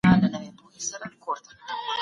ایا نوي کروندګر انځر پلوري؟